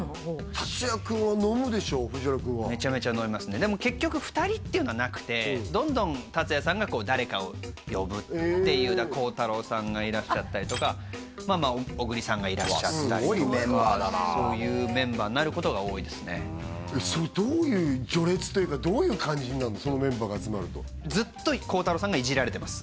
竜也君は飲むでしょ藤原君はめちゃめちゃ飲みますねでも結局２人っていうのはなくてどんどん竜也さんが誰かを呼ぶっていう鋼太郎さんがいらっしゃったりとか小栗さんがいらっしゃったりとかすごいメンバーだなそういうメンバーになることが多いですねどういう序列というかどういう感じになるのそのメンバーが集まるとずっと鋼太郎さんがいじられてます